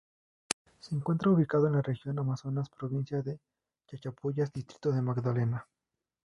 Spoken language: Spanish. Se encuentra ubicado en la Región Amazonas, provincia de Chachapoyas, Distrito de Magdalena.